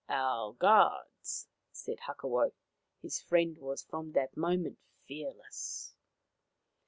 " Our guards," said Hakawau. His friend was from that moment fearless.